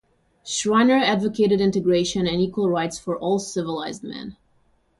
Schreiner advocated integration and equal rights for all "civilised" men.